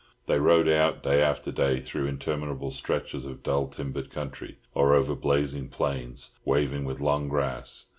They rode out, day after day, through interminable stretches of dull timbered country, or over blazing plains waving with long grass.